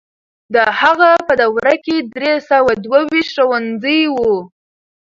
د هغه په دوره کې درې سوه دوه ويشت ښوونځي وو.